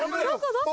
どこ？